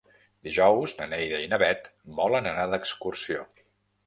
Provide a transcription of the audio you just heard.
Dijous na Neida i na Bet volen anar d'excursió.